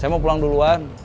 saya mau pulang duluan